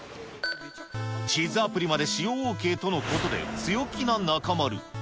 地図アプリまで使用ＯＫとのことで、強気な中丸。